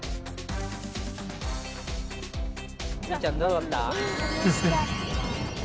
ゆいちゃんどうだった？